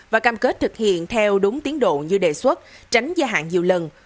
và cam kết thực hiện theo đúng tiến độ như đề xuất tránh gia hạn nhiều lần